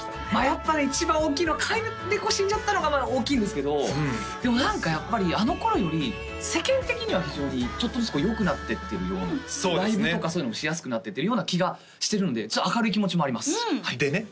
やっぱね一番大きいのは飼い猫が死んじゃったのがまあ大きいんですけどでも何かやっぱりあの頃より世間的には非常にちょっとずつこうよくなってってるようなライブとかそういうのもしやすくなってってるような気がしてるので明るい気持ちもありますでね